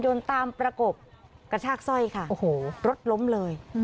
ตามประกบกระชากสร้อยค่ะโอ้โหรถล้มเลย